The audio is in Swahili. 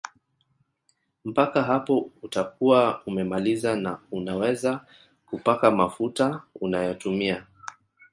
Mpaka hapo utakuwa umemaliza na unaweza kupaka mafuta unayotumia